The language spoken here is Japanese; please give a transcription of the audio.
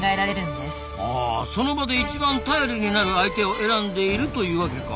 あその場で一番頼りになる相手を選んでいるというワケか。